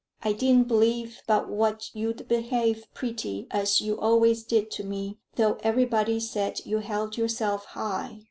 "I didn't believe but what you'd behave pretty, as you always did to me, though everybody said you held yourself high.